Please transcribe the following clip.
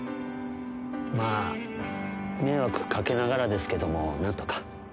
まあ、迷惑かけながらですけど、なんとか。